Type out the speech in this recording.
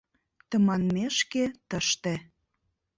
Тыманмешке тыште